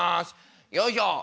よいしょ。